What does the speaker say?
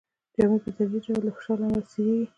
جامې په تدریجي ډول د فشار له امله څیریږي.